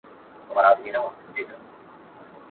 که وخت وي، پاکوالي ساتم!!